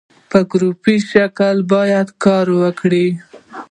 په ګروپي شکل باید کار وکړي.